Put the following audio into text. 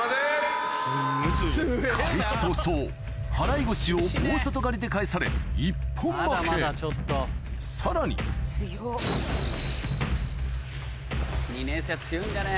開始早々払腰を大外刈で返され一本負けさらに２年生は強いんだね。